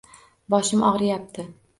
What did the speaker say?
Boshim og'riyapti.